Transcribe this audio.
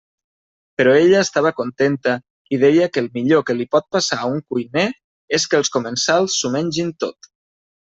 Però ella estava contenta i deia que el millor que li pot passar a un cuiner és que els comensals s'ho mengin tot.